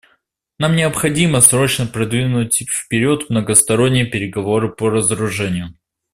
Нам необходимо срочно продвинуть вперед многосторонние переговоры по разоружению.